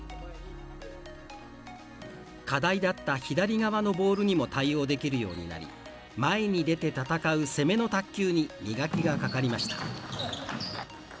課題だった左側のボールにも対応できるようになり前に出て戦う、攻めの卓球に磨きがかかりました。